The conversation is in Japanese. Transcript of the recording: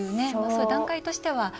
そういう段階としては。